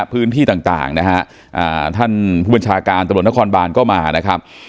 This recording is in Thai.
พื้นที่ต่างนะฮะท่านผู้บัญชาการตำรวจนครบานก็มานะครับ